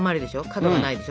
角がないでしょ？